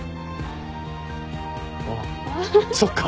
あっそっか。